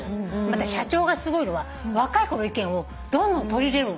また社長がすごいのは若い子の意見をどんどん取り入れるの。